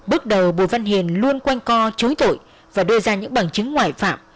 tại cơ quan công an bước đầu bùi văn hiền luôn quanh co chối tội và đưa ra những bằng chứng ngoại phạm